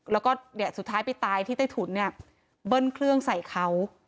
แล้วก็เนี่ยสุดท้ายไปตายที่ใต้ถุนเนี่ยเบิ้ลเครื่องใส่เขา